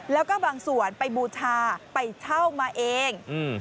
แล้วก็บางส่วนไปบูชาไปเช่ามาเอง